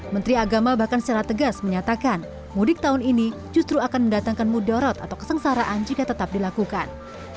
menteri agama bahkan secara tegas menyatakan mudik tahun ini justru akan mendatangkan mudorot atau kesengsaraan jika tetap dilakukan